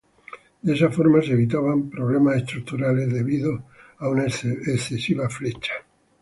De esa forma, se evitaban problemas estructurales debidas a una excesiva flecha.